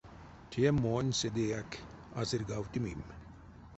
Те монь седеяк ацирьгавтымим.